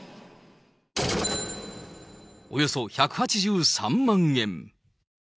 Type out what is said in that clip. およそ１８３万円。